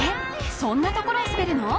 そんなところを滑るの？